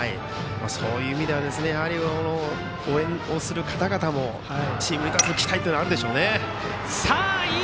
そういう意味では応援をする方々もチームに対する期待はあるでしょうね。